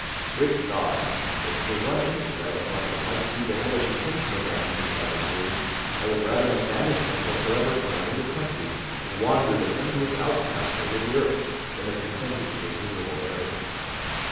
Great God! If for one instant I had thought what might be the hellish intention of my fiendish adversary, I would rather have banished myself for ever from my native country and wandered a friendless outcast over the earth than have consented to this miserable marriage.